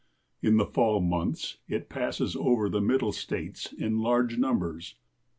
In the fall months it passes over the middle states in large numbers.